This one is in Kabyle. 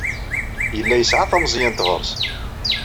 Yella yesɛa tameẓyant ɣer-s.